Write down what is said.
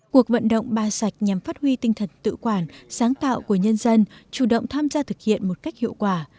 cuộc vận động ba sạch nhằm phát huy tinh thần tự quản sáng tạo của nhân dân chủ động tham gia thực hiện một cách hiệu quả